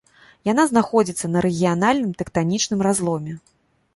Яна знаходзіцца на рэгіянальным тэктанічным разломе.